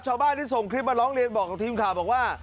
ชาวบ้านที่ส่งคลิปมาร้องเรียนบอกกับทีมข่าวบอกว่า